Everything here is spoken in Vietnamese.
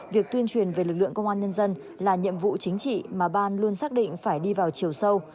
việc tuyên truyền về lực lượng công an nhân dân là nhiệm vụ chính trị mà ban luôn xác định phải đi vào chiều sâu